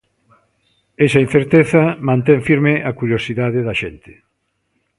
Esa incerteza mantén firme a curiosidade da xente.